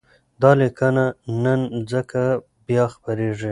دا لیکنه نن ځکه بیا خپرېږي،